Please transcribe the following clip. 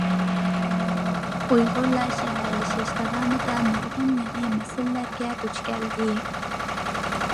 -ئۇيغۇرلار شەھەرلىشىش داۋامىدا نۇرغۇن يېڭى مەسىلىلەرگە دۇچ كەلدى.